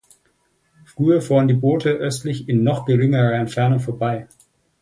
Früher fuhren die Boote östlich in noch geringerer Entfernung vorbei.